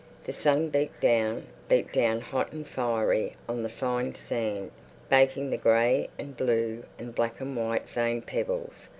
The sun beat down, beat down hot and fiery on the fine sand, baking the grey and blue and black and white veined pebbles.